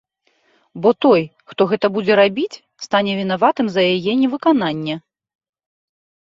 Бо той, хто гэта будзе рабіць, стане вінаватым за яе невыкананне.